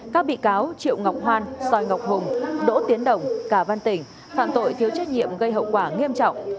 các bị cáo triệu ngọc hoan ngọc hùng đỗ tiến đồng cà văn tỉnh phạm tội thiếu trách nhiệm gây hậu quả nghiêm trọng